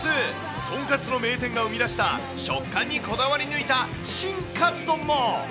豚カツの名店が生み出した食感にこだわり抜いた新かつ丼も。